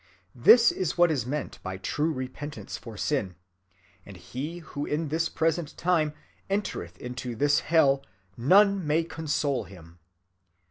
This is what is meant by true repentance for sin; and he who in this present time entereth into this hell, none may console him.